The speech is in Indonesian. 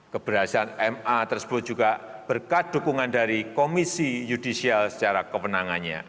keberhasilan ma tersebut juga berkat dukungan dari komisi yudisial secara kewenangannya